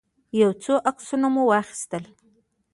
يو څو عکسونه مو واخيستل.